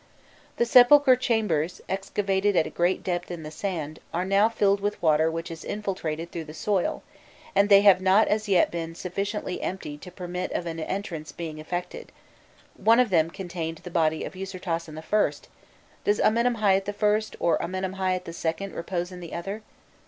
The sepulchral chambers, excavated at a great depth in the sand, are now filled with water which has infiltrated through the soil, and they have not as yet been sufficiently emptied to permit of an entrance being effected: one of them contained the body of Usirtasen I.; does Amenemhâît I. or Amenemhâît II. repose in the other?